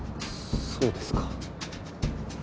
そうですか。